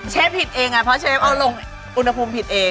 เฉฟผิดเองพอเฉฟเอาลงอุณหภูมิผิดเอง